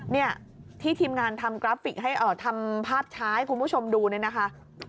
นี่ที่ทีมงานทำภาพช้าให้คุณผู้ชมดูนี่นะคะ